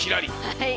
はい。